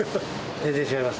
全然違います。